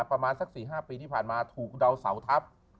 ประมาณสัก๔๕ปีที่ผ่านมาถูกดาวเสาทัพ